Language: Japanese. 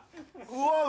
うわ。